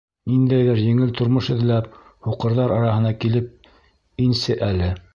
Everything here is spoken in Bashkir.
Ниндәйҙер еңел тормош эҙләп, һуҡырҙар араһына килеп инсе әле.